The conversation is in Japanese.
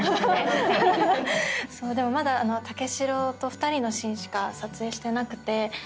まだ武四郎と２人のシーンしか撮影してなくて。